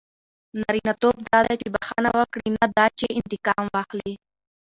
نارینه توب دا دئ، چي بخښنه وکړئ؛ نه دا چي انتقام واخلى.